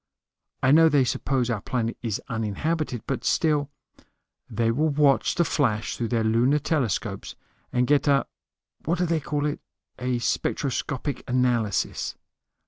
I know they suppose our planet is uninhabited, but still " "They will watch the flash through their lunar telescopes and get a what do they call it? a spectroscopic analysis.